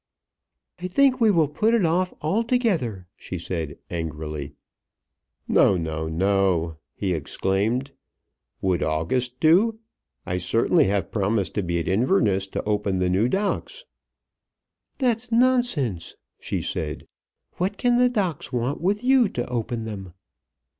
"I think we will put it off altogether," she said angrily. "No, no, no," he exclaimed. "Would August do? I certainly have promised to be at Inverness to open the New Docks." "That's nonsense," she said. "What can the Docks want with you to open them?"